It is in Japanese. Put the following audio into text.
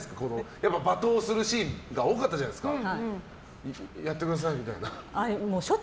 やっぱり罵倒するシーンが多かったじゃないですか。